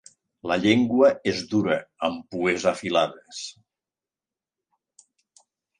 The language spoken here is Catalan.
La llengua és dura amb pues afilades.